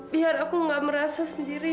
biar aku enggak merasa sendirian